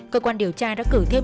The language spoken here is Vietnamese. cơ quan điều tra đã cử thêm